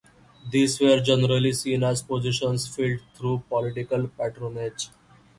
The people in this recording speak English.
These were generally seen as positions filled through political patronage.